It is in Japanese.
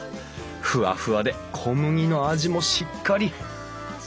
フワフワで小麦の味もしっかり！